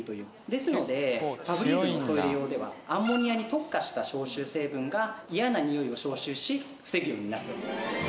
ですのでファブリーズのおトイレ用ではアンモニアに特化した消臭成分が嫌なニオイを消臭し防ぐようになっております。